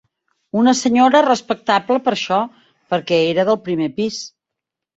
Una senyora respectable per això: perquè era del primer pis